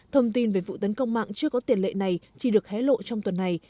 thông tin về vụ tấn công mạng chưa có tiền lệ này chỉ được hé lộ trong tuần này